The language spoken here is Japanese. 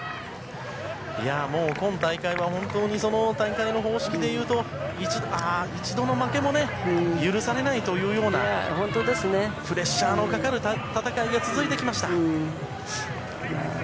今大会は本当に大会の方式で言うと一度の負けも許されないというようなプレッシャーのかかる戦いが続いてきました。